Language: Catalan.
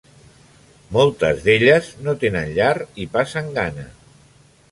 Moltes d'ells no tenen llar i passen gana.